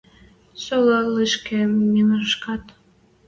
Сола лишкӹ мимешкӓт: